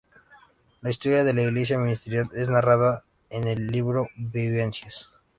La historia de la Iglesia Ministerial es narrada en el libro Vivencias.